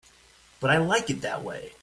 But I like it that way.